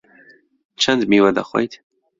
چەند میوە دەخۆیت؟